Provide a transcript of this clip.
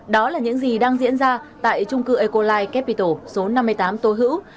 đó là những gì đang diễn ra tại trung cư ecolai capital số năm mươi tám tô hữu